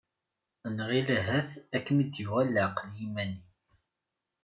Nɣil ahat ad kem-id-yuɣal leɛqel yiman-im.